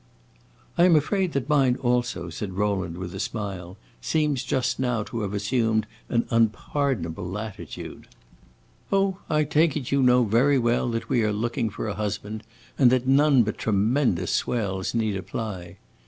'" "I am afraid that mine also," said Rowland, with a smile, "seems just now to have assumed an unpardonable latitude." "Oh, I take it you know very well that we are looking for a husband, and that none but tremendous swells need apply.